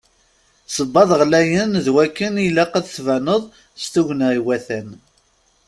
Sebbaḍ ɣlayen d wamek i ilaq ad tbaneḍ s tugna iwatan.